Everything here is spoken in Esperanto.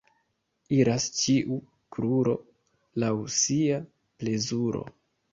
Iras ĉiu kruro laŭ sia plezuro.